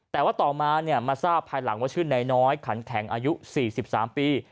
แต่ว่าต่อมามาทราบภายหลังว่าชื่อนายน้อยขันแข็งอายุ๔๓ปี